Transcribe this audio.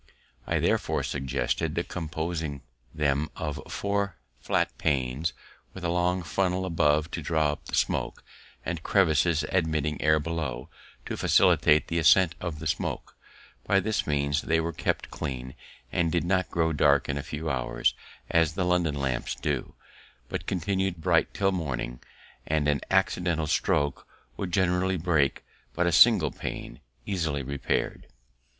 I therefore suggested the composing them of four flat panes, with a long funnel above to draw up the smoke, and crevices admitting air below, to facilitate the ascent of the smoke; by this means they were kept clean, and did not grow dark in a few hours, as the London lamps do, but continu'd bright till morning, and an accidental stroke would generally break but a single pane, easily repair'd.